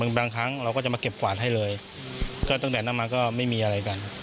บางครั้งเราก็จะมาเก็บกวาดให้เลยก็ตั้งแต่นั้นมาก็ไม่มีอะไรกัน